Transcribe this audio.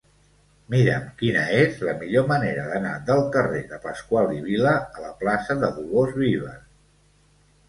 Mira'm quina és la millor manera d'anar del carrer de Pascual i Vila a la plaça de Dolors Vives.